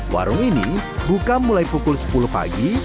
warung ini buka mulai pukul sepuluh pagi